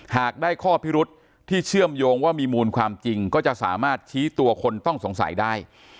หากได้ข้อพิรุษที่เชื่อมโยงว่ามีมูลความจริงก็จะสามารถชี้ตัวคนต้องสงสัยได้